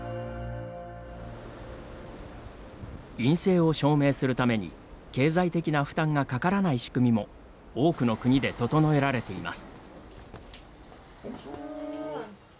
陰性を証明するために経済的な負担がかからない仕組みも多くの国で整えられています。